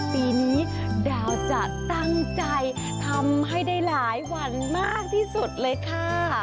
ปีนี้ดาวจะตั้งใจทำให้ได้หลายวันมากที่สุดเลยค่ะ